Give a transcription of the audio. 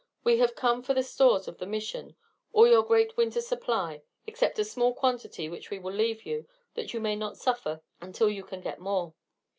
We have come for the stores of the Mission all your great winter supply, except a small quantity which we will leave you that you may not suffer until you can get more.